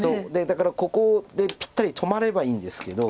だからここでぴったり止まればいいんですけど。